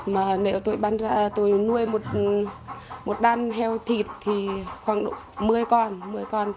mà nếu tôi nuôi một đàn heo thịt thì khoảng một mươi con